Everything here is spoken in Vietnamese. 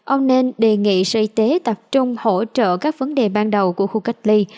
ông nên đề nghị sở y tế tập trung hỗ trợ các vấn đề ban đầu của khu cách ly